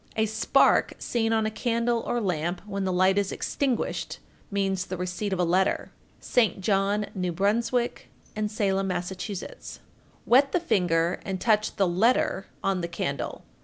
A spark seen on a candle or lamp when the light is extinguished means the receipt of a letter. St. John, N.B., and Salem, Mass. 1441. Wet the finger and touch the "letter" on the candle.